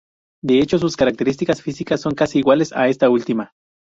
De hecho, sus características físicas son casi iguales a esta última.